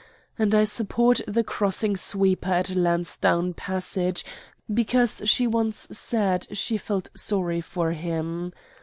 And I support the crossing sweeper at Lansdowne Passage because she once said she felt sorry for him.